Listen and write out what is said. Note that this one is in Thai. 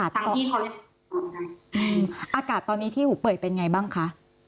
อากาศตอนนี้ที่หูเปิดเป็นไงบ้างคะ